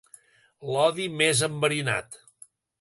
L'odi més enverinat.